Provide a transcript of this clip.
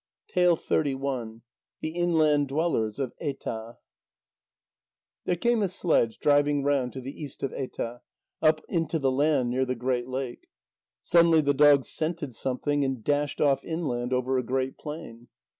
THE INLAND DWELLERS OF ETAH There came a sledge driving round to the east of Etah, up into the land, near the great lake. Suddenly the dogs scented something, and dashed off inland over a great plain.